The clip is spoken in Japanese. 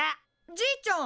じいちゃん！